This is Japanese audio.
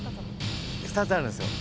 ２つあるんですよ。